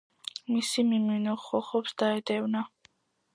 მისი მიმინო ხოხობს დაედევნა,